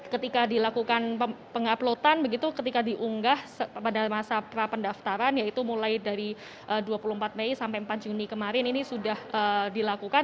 ketika dilakukan penguploadan begitu ketika diunggah pada masa prapendaftaran yaitu mulai dari dua puluh empat mei sampai empat juni kemarin ini sudah dilakukan